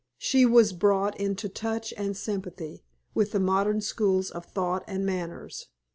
She was brought into touch and sympathy with the modern schools of thought and manners.